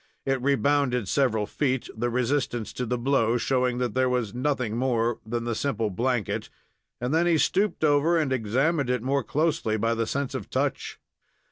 It rebounded several feet, the resistance to the blow showing that there was nothing more than the simple blanket, and then he stooped over and examined it more closely by the sense of touch.